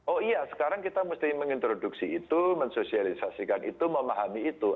oh iya sekarang kita mesti mengintroduksi itu mensosialisasikan itu memahami itu